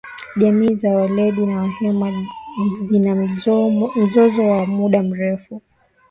Jamii za walendu na wahema zina mzozo wa muda mrefu